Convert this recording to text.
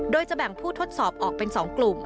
โดยจะแบ่งผู้ทดสอบออกเป็น๒กลุ่ม